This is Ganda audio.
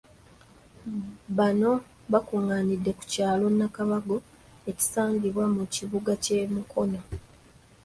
Bano bakungaanidde ku kyalo Nakabago ekisangibwa mu kibuga ky'e Mukono.